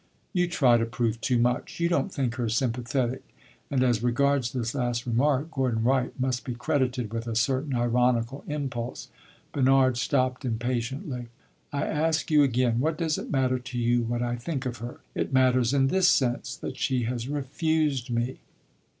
"You try to prove too much. You don't think her sympathetic!" And as regards this last remark, Gordon Wright must be credited with a certain ironical impulse. Bernard stopped impatiently. "I ask you again, what does it matter to you what I think of her?" "It matters in this sense that she has refused me."